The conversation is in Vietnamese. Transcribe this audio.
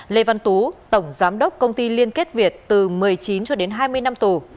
lê văn tú tổng giám đốc công ty liên kết việt từ một mươi chín cho đến hai mươi năm tù